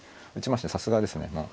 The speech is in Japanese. さすがですねもう。